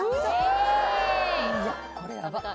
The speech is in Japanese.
いやこれヤバっ。